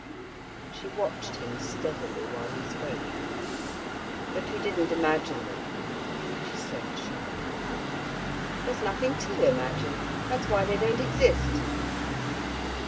She watched him steadily while he spoke. "But we didn't imagine them," she said sharply. "There's nothing to imagine, that's why they don't exist."